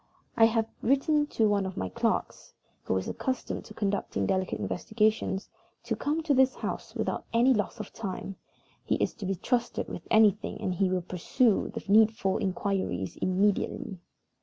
I have written to one of my clerks, who is accustomed to conducting delicate investigations, to come to this house without loss of time. He is to be trusted with anything, and he will pursue the needful inquiries immediately.